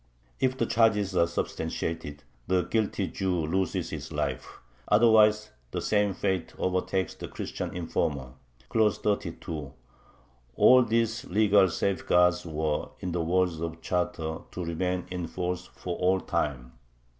If the charges are substantiated, the guilty Jew loses his life; otherwise the same fate overtakes the Christian informer (§32). All these legal safeguards were, in the words of the charter, to remain in force "for all time."